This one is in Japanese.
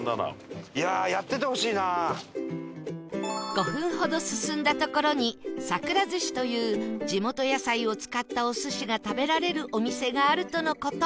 ５分ほど進んだ所にさくら寿司という地元野菜を使ったお寿司が食べられるお店があるとの事